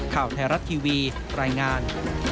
ข่าวไทยรัฐทีวีรายงาน